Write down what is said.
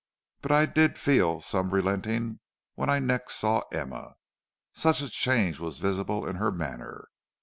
But I did feel some relenting when I next saw Emma such a change was visible in her manner.